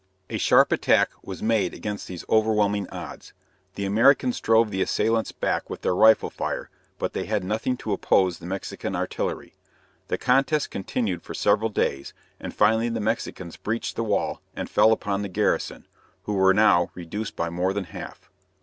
A sharp attack was made with these overwhelming odds. The Americans drove the assailants back with their rifle fire, but they had nothing to oppose to the Mexican artillery. The contest continued for several days, and finally the Mexicans breached the wall and fell upon the garrison, who were now reduced by more than half.